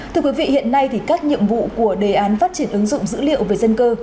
thưa quý vị hiện nay thì các nhiệm vụ của đề án phát triển ứng dụng dữ liệu về dân cư